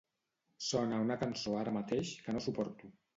Sona una cançó ara mateix que no suporto.